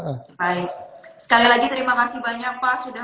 baik sekali lagi terima kasih banyak pak sudah bergabung